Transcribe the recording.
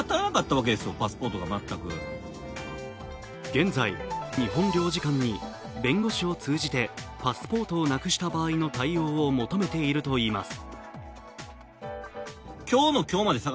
現在、日本領事館に弁護士を通じてパスポートをなくした場合の対応を求めているといいます。